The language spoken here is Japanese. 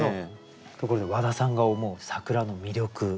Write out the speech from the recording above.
ところで和田さんが思う桜の魅力